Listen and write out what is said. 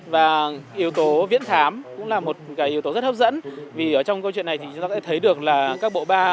và yếu tố viễn thám cũng là một cái yếu tố rất hấp dẫn vì ở trong câu chuyện này thì chúng ta có thể thấy được là các bộ ba